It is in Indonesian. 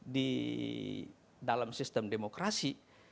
di dalam sistem demokrasi